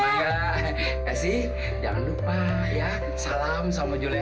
kasih jangan lupa ya salam sama juleha